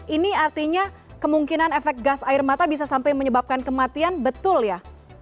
ini artinya kemungkinan efek gas air mata bisa sampai menyebabkan kematian betul ya